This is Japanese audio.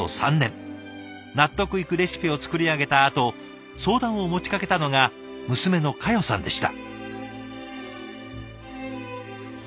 納得いくレシピを作り上げたあと相談を持ちかけたのが娘の佳代さんでした。